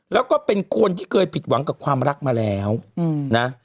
แล้วก็เป็นคนที่เคยผิดหวังกับความรักมาแล้วนะ